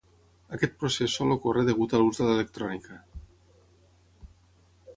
Aquest procés sol ocórrer degut a l'ús de l'electrònica.